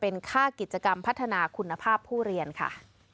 เป็นค่ากิจกรรมพัฒนาคุณภาพผู้เรียนค่ะ